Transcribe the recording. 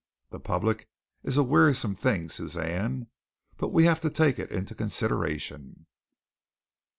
The public is a wearisome thing, Suzanne, but we have to take it into consideration."